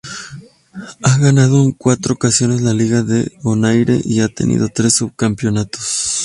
A Ganado en cuatro ocasiones la Liga de Bonaire y ha tenido tres subcampeonatos.